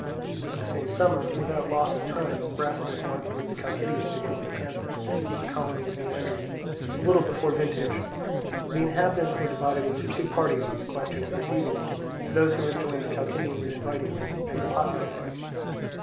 The same summer, without loss of time, Brasidas marched with the Chalcidians against Acanthus, a colony of the Andrians, a little before vintage. The inhabitants were divided into two parties on the question of receiving him; those who had joined the Chalcidians in inviting him, and the popular party.